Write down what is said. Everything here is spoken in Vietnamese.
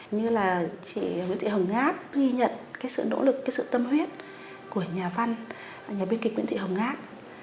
như là chị nguyễn thị hồng ngát ghi nhận cái sự nỗ lực cái sự tâm huyết của nhà văn nhà biên kịch nguyễn thị hồng ngát